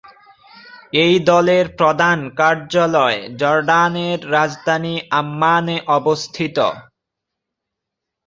এই দলের প্রধান কার্যালয় জর্ডানের রাজধানী আম্মানে অবস্থিত।